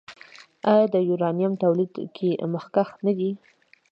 آیا د یورانیم تولید کې مخکښ نه دی؟